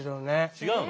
違うの？